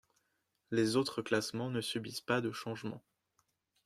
Les autres classements ne subissent pas de changement.